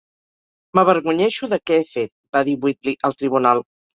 "M'avergonyeixo de què he fet", va dir Wheatley al tribunal.